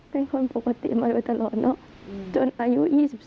เป็นคนปกติมาโดยตลอดเนอะจนอายุ๒๒